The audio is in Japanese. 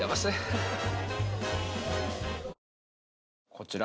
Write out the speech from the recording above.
こちら。